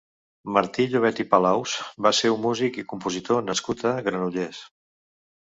Martí Llobet i Palaus va ser un músic i compositor nascut a Granollers.